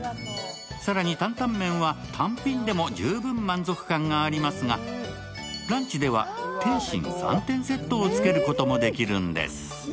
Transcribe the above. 更に担々麺は単品でも十分、満足感がありますがランチでは点心３点セットをつけることもできるんです。